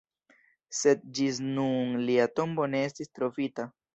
Sed ĝis nun lia tombo ne estis trovita.